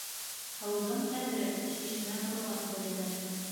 Һыуҙың ҡәҙере шишмә ҡороғас беленер.